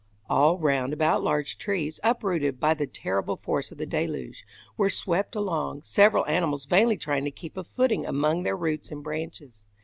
All round about large trees, uprooted by the terrible force of the deluge, were swept along, several animals vainly trying to keep a footing among their roots and branches.